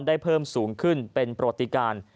ได้เพิ่มสูงขึ้นเป็นปฏิการ